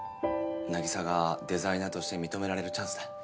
凪沙がデザイナーとして認められるチャンスだ。